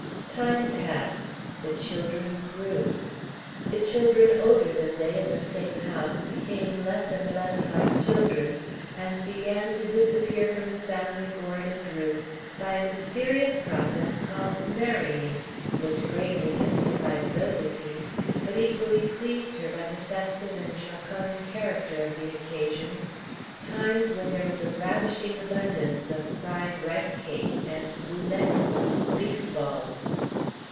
Time passed; the children grew. The children older than they in the same house became less and less like children, and began to disappear from the family board and roof by a mysterious process called marrying, which greatly mystified Zoséphine, but equally pleased her by the festive and jocund character of the occasions, times when there was a ravishing abundance of fried rice cakes and boulettes beef balls.